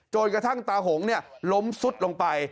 กระทั่งตาหงล้มซุดลงไป